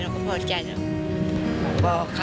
อันดับ๖๓๕จัดใช้วิจิตร